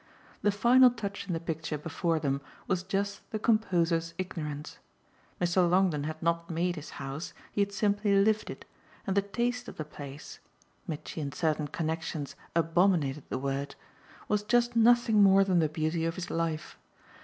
The final touch in the picture before them was just the composer's ignorance. Mr. Longdon had not made his house, he had simply lived it, and the "taste" of the place Mitchy in certain connexions abominated the word was just nothing more than the beauty of his life.